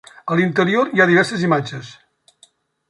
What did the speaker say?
A l'interior hi ha diverses imatges.